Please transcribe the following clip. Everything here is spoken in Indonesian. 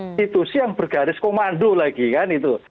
institusi yang bergaris komando lagi kan itu